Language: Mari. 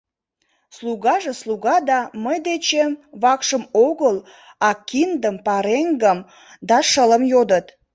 — Слугаже слуга да... мый дечем вакшым огыл, а киндым, пареҥгым да шылым йодыт.